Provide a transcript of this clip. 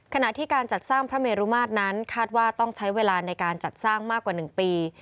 ขณะที่การจัดสร้างพระเมรุมาตรนั้นคาดว่าต้องใช้เวลาในการจัดสร้างมากกว่า๑ปี